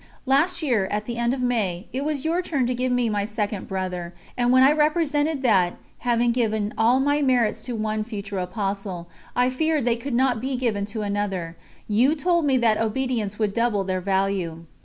Last year, at the end of May, it was your turn to give me my second brother, and when I represented that, having given all my merits to one future apostle, I feared they could not be given to another, you told me that obedience would double their value.